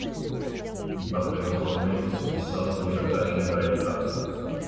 Nous parvenons enfin sur le sable de la plage de Haïfa.